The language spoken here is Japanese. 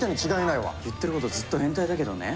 言ってることずっと変態だけどね。